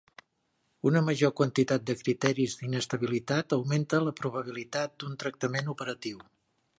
Una major quantitat de criteris d'inestabilitat augmenta la probabilitat d'un tractament operatiu.